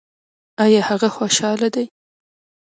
ایا هغه خوشحاله دی؟